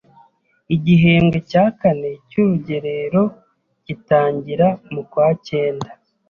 Igihembwe cya kane cy’urugerero gitangira mu kwa cyenda